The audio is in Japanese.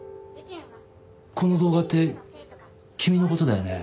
この動画って君の事だよね？